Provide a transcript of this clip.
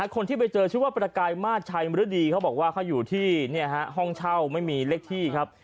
คนที่ไปเจอชื่อว่าประกายมาสชัยมรดีเขาบอกว่าเขาอยู่ที่ห้องเช่าไม่มีเลขที่ครับ